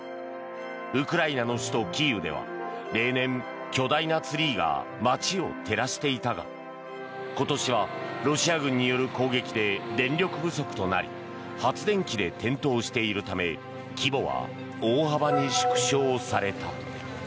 ウクライナの首都キーウでは例年、巨大なツリーが街を照らしていたが今年はロシア軍による攻撃で電力不足となり発電機で点灯しているため規模は大幅に縮小された。